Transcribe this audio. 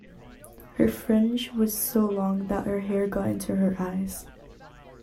Her fringe was so long that her hair got into her eyes